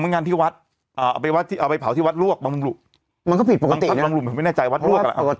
ไม่งั้นที่วัดเอาไปเผาที่วัดลวกบางลุงบางลุงมันไม่แน่ใจวัดลวก